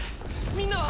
みんなは？